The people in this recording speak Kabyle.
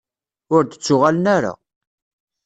Ur d-ttuɣalen ara.